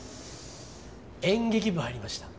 演劇部入りました。